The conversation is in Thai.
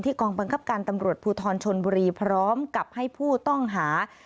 กองบังคับการตำรวจภูทรชนบุรีพร้อมกับให้ผู้ต้องหา